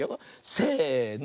せの。